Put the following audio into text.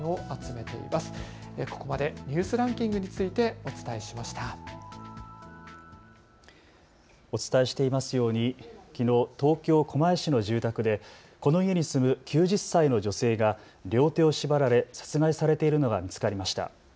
お伝えしていますようにきのう、東京狛江市の住宅でこの家に住む９０歳の女性が両手を縛られ殺害されているのが見つかりました。